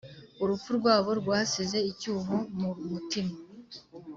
urupfu rwabo rwasize icyuho mu mutima